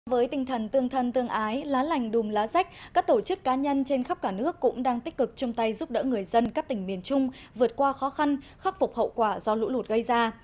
với tinh thần tương thân tương ái lá lành đùm lá rách các tổ chức cá nhân trên khắp cả nước cũng đang tích cực chung tay giúp đỡ người dân các tỉnh miền trung vượt qua khó khăn khắc phục hậu quả do lũ lụt gây ra